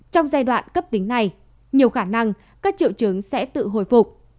trong giai đoạn cấp tính này nhiều khả năng các triệu chứng sẽ tự hồi phục